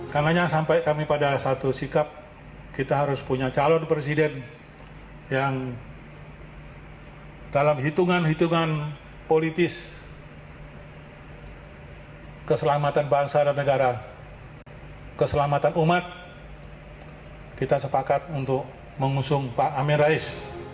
karena sampai kami pada satu sikap kita harus punya calon presiden yang dalam hitungan hitungan politis keselamatan bangsa dan negara keselamatan umat kita sepakat untuk mengusung pak amin rais